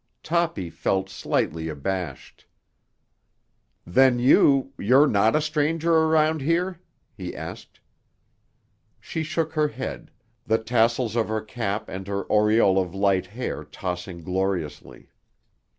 Toppy felt slightly abashed. "Then you—you're not a stranger around here?" he asked. She shook her head, the tassels of her cap and her aureole of light hair tossing gloriously.